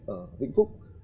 ở vĩnh phúc